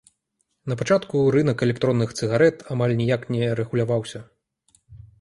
Напачатку рынак электронных цыгарэт амаль ніяк не рэгуляваўся.